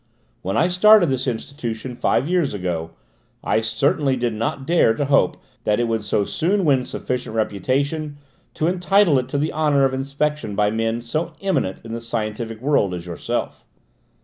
"When I started this institution five years ago I certainly did not dare to hope that it would so soon win sufficient reputation to entitle it to the honour of inspection by men so eminent in the scientific world as yourself."